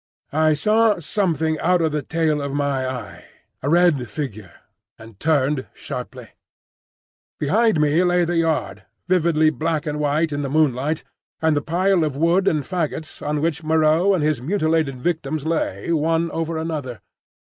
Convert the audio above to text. I saw something out of the tail of my eye,—a red figure,—and turned sharply. Behind me lay the yard, vividly black and white in the moonlight, and the pile of wood and faggots on which Moreau and his mutilated victims lay, one over another.